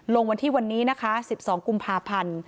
ลงวันที่วันนี้นะคะ๑๒กุมภาพันธ์